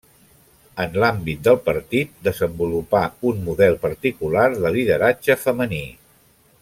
En l'àmbit del partit, desenvolupà un model particular de lideratge femení.